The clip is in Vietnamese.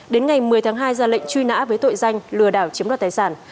đến ngày một mươi tháng hai ra lệnh truy nã với tội danh lừa đảo chiếm đoạt tài sản